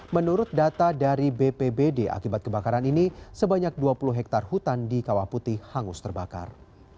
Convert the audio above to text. menurut data dari bpbd akibat kebakaran ini sebanyak dua puluh hektare hutan di kawah putih hangus terbakar